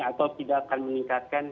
atau tidak akan meningkatkan